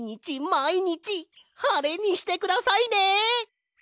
まいにちはれにしてくださいね。